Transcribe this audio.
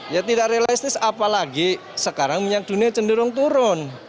ya tidak realistis apalagi sekarang minyak dunia cenderung turun